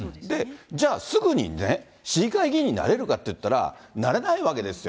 じゃあ、すぐに市議会議員になれるかっていったら、なれないわけですよ。